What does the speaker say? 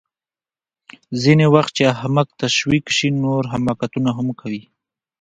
ځینې وخت چې احمق تشویق شي نو نور حماقتونه هم کوي